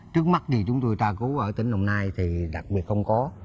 trước mắt thì chúng tôi tra cứu ở tỉnh đồng nai thì đặc biệt không có